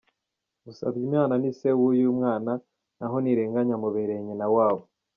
Musabyimana ni se w’uyu mwana naho Ntirenganya amubereye nyina wabo.